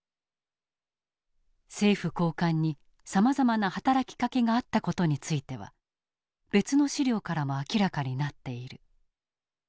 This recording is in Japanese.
政府高官にさまざまな働きかけがあった事については別の資料からも明らかになっている。